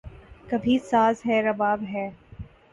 کبھی ساز ہے، رباب ہے